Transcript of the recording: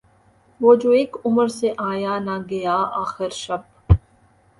وہ جو اک عمر سے آیا نہ گیا آخر شب